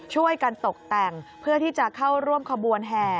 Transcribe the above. ช่วยกันตกแต่งเพื่อที่จะเข้าร่วมขบวนแห่